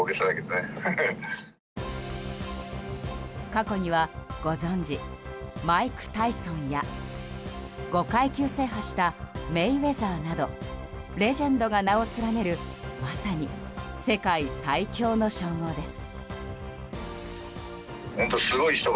過去には、ご存じマイク・タイソンや５階級制覇したメイウェザーなどレジェンドが名を連ねるまさに世界最強の称号です。